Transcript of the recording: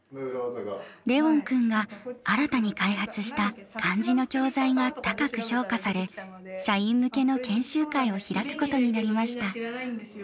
レウォン君が新たに開発した漢字の教材が高く評価され社員向けの研修会を開くことになりました。